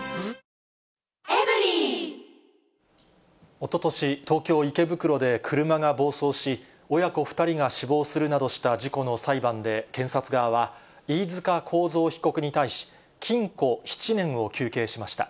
おととし、東京・池袋で車が暴走し、親子２人が死亡するなどした事故の裁判で、検察側は、飯塚幸三被告に対し、禁錮７年を求刑しました。